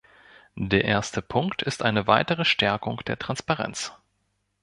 Der erste Punkt ist eine weitere Stärkung der Transparenz.